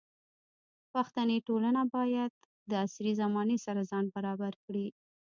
پښتني ټولنه باید د عصري زمانې سره ځان برابر کړي.